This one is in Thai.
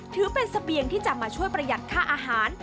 ถือเป็นเสบียงที่จะมาช่วยประหยัดค่าอาหาร